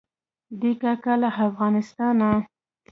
دی کاکا له افغانستانه.